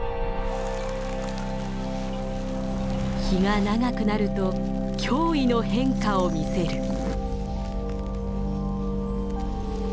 日が長くなると驚異の変化を見せる。